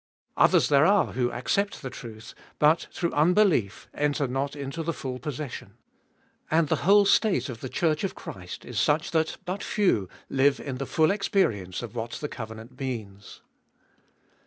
Others there are who accept the truth, but through unbelief enter not into the full possession. And the whole state of the Church of Christ is such that but few live in the full experience of what the covenant means.